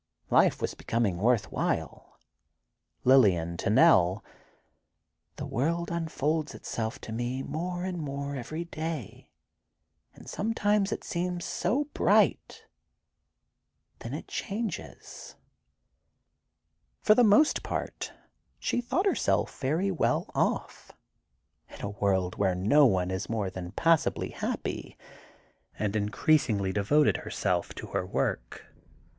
Life was becoming worth while. Lillian to Nell: "The world unfolds itself to me more and more every day, and sometimes it seems so bright; then it changes ..." For the most part she thought herself very well off—in a world where no one is more than passably happy—and increasingly devoted herself to her work.